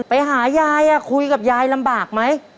ไปหายายอะคุยกับยายลำบากมั้ย